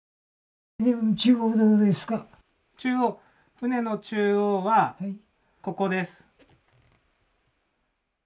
船の中央はここです。